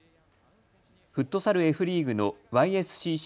フットサルＦリーグのＹＳＣＣ